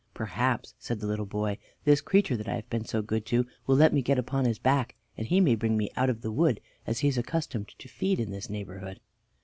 "Perhaps," said the little boy, "this creature that I have been so good to will let me get upon his back, and he may bring me out of the wood, as he is accustomed to feed in this neighborhood."